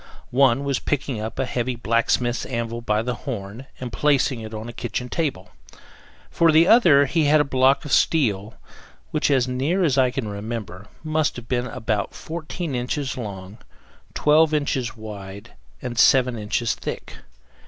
One was picking up a heavy blacksmith's anvil by the horn and placing it on a kitchen table; for the other he had a block of steel, which, as near as I can remember, must have been about 14 inches long, 12 inches wide, and 7 inches thick.